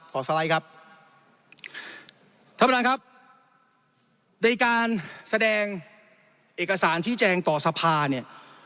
สไลด์ครับท่านประธานครับในการแสดงเอกสารชี้แจงต่อสภาเนี่ย